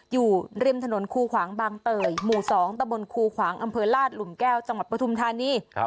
อยู่ริมถนนคูขวางบางเตยหมู่๒ตะบนครูขวางอำเภอลาดหลุมแก้วจังหวัดปฐุมธานี